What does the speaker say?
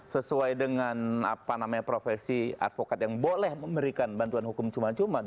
sesuai dengan profesi advokat yang boleh memberikan bantuan hukum cuma cuma